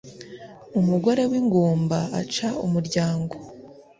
Umugore wingumba aca umuryango